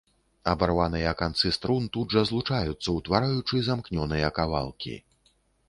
Абарваныя канцы струн тут жа злучаюцца, утвараючы замкнёныя кавалкі.